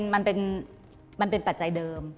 มันเป็นปัจจัยเดิม